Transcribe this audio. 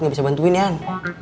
gak bisa bantuin yang